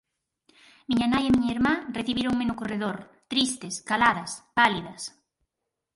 Miña nai e miña irmá recibíronme no corredor, tristes, caladas, pálidas!